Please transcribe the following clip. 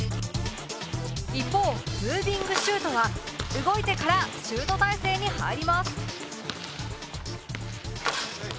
一方ムービングシュートは動いてからシュート態勢に入ります。